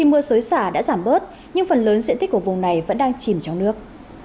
nhiều xã đã giảm bớt nhưng phần lớn diện tích của vùng này vẫn đang chìm trong nước